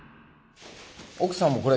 奥さんもこれ。